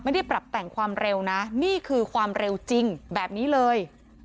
ไม่ได้ปรับแต่งความเร็วนะนี่คือความเร็วจริงแบบนี้เลย